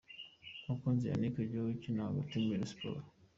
Mukunzi Yannick Joy ukina hagati muri Rayon Sports .